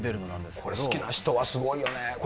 これ、好きな人はすごいよね。